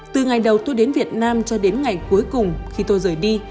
từ ngày đầu tôi đến việt nam cho đến ngày cuối cùng khi tôi rời đi